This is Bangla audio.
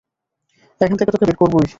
এখান থেকে তোকে বের করবোই!